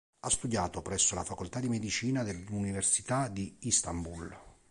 Ha studiato presso la Facoltà di Medicina dell'Università di Istanbul.